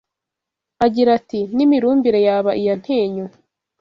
agira ati «N’imirumbire yaba iya Ntenyo»